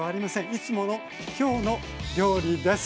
いつもの「きょうの料理」です。